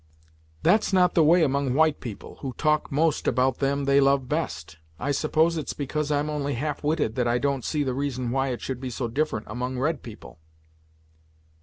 "That's not the way among white people, who talk most about them they love best. I suppose it's because I'm only half witted that I don't see the reason why it should be so different among red people."